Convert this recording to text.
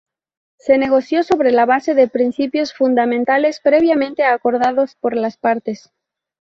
Se negoció sobre la base de principios fundamentales previamente acordados por las partes.